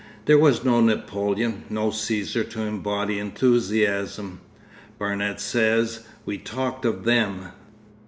There was no Napoleon, no Cæsar to embody enthusiasm. Barnet says, 'We talked of Them.